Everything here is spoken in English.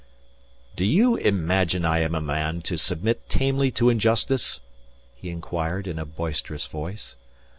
"Do you imagine I am a man to submit tamely to injustice?" he inquired in a boisterous voice.